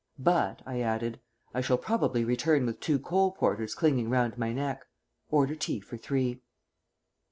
But," I added, "I shall probably return with two coal porters clinging round my neck. Order tea for three."